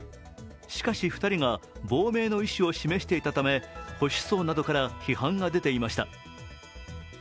しかし、２人が亡命の意思を示していたため、保守層などから批判が出ていました。